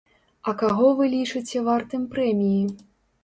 А каго вы лічыце вартым прэміі?